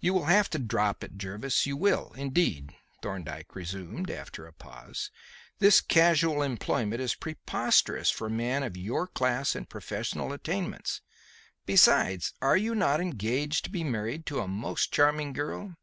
"You will have to drop it, Jervis; you will, indeed," Thorndyke resumed after a pause. "This casual employment is preposterous for a man of your class and professional attainments. Besides, are you not engaged to be married and to a most charming girl?"